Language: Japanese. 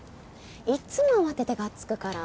いっつも慌ててがっつくから。